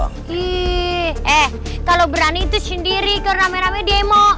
eh kalau berani itu sendiri kalau rame rame demo